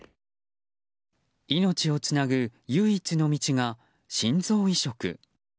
命をつなぐ唯一の道が心臓移植。